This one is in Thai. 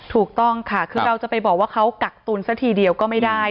ถูกต้องค่ะคือเราจะไปบอกว่าเขากักตุลซะทีเดียวก็ไม่ได้